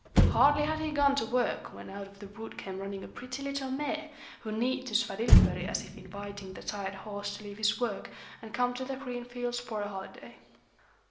Hardly had he gone to work when out of the wood came running a pretty little mare, who neighed to Svadilföri as if inviting the tired horse to leave his work and come to the green fields for a holiday.